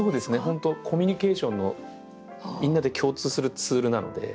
本当コミュニケーションのみんなで共通するツールなので。